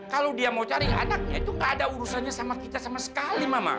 kalau dia mau cari anaknya itu gak ada urusannya sama kita sama sekali mama